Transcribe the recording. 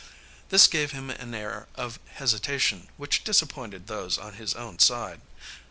This gave him an air of hesitation which disappointed those on his own side.